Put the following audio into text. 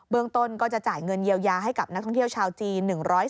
ต้นก็จะจ่ายเงินเยียวยาให้กับนักท่องเที่ยวชาวจีน